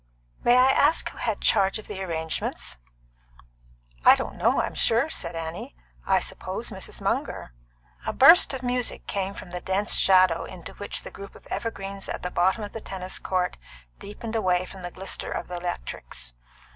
"May I ask who had charge of the arrangements?" "I don't know, I'm sure," said Annie. "I suppose Mrs. Munger." A burst of music came from the dense shadow into which the group of evergreens at the bottom of the tennis court deepened away from the glister of the electrics.